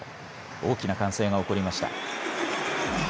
大きな歓声が起こりました。